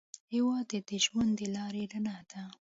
هېواد د ژوند د لارې رڼا ده.